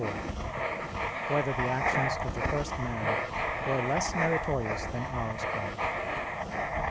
4] Whether the Actions of the First Man Were Less Meritorious Than Ours Are?